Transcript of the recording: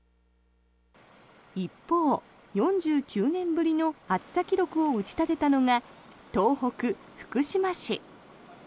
一方、４９年ぶりの暑さ記録を打ち立てたのが東北・福島市。